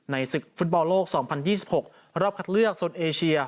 ศึกฟุตบอลโลก๒๐๒๖รอบคัดเลือกโซนเอเชีย